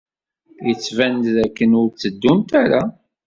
Yettban-d dakken ur tteddunt ara.